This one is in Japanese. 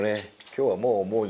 今日はもう思う